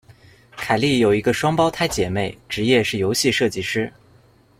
凯利有一个双胞胎姐妹，职业是游戏设计师。